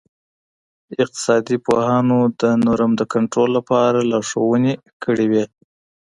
اقتصاد پوهانو د نورم د کنټرول لپاره لارښووني کړي وې.